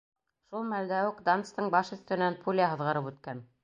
Шул мәлдә үк Данстың баш өҫтөнән пуля һыҙғырып үткән.